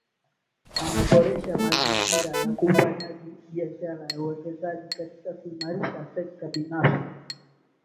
Wanaboresha mazingira ya ufanyaji biashara na uwekezaji katika kuimarisha sekta binafsi